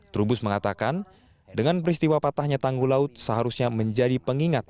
trubus mengatakan dengan peristiwa patahnya tanggul laut seharusnya menjadi pengingat